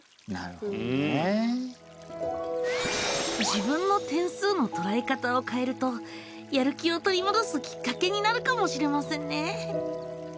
自分の点数のとらえ方を変えるとやる気を取り戻すきっかけになるかもしれませんね！